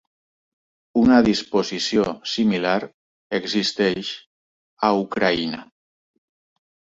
Una disposició similar existeix a Ucraïna.